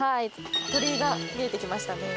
鳥居が見えてきましたね。